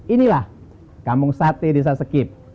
inilah kampung sate desa sekip